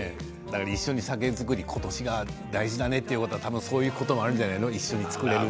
酒造り今年が大事だねというのはそういうこともあるんじゃない。